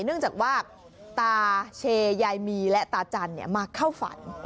เนื่องจากว่าตาเชยายมีและตาจันทร์มาเข้าฝัน